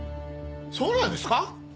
そうなんですか？